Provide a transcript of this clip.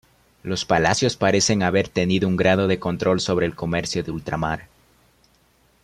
Los palacios parecen haber tenido un grado de control sobre el comercio de ultramar.